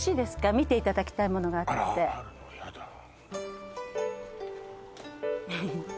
見ていただきたいものがあってあらあるの？